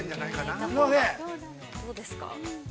◆どうですか？